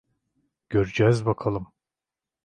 Göreceğiz bakalım.